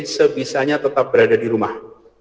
sebisanya tetap berada di rumah